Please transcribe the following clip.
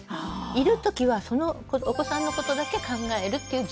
いるときはそのお子さんのことだけ考えるっていう１０分。